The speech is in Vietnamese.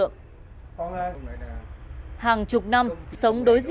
không chỉ nhựa cứng